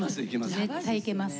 絶対いけます。